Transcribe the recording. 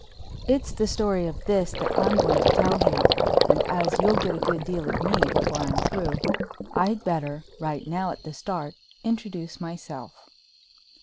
It's the story of this that I'm going to tell here, and as you'll get a good deal of me before I'm through, I'd better, right now at the start, introduce myself.